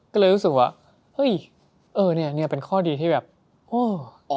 ก็เลยรู้สึกว่าเฮ้ยเออเนี่ยเป็นข้อดีที่แบบโอ้